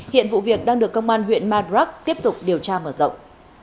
hiện vụ việc đang được công an huyện madrak tiếp tục điều tra mở rộng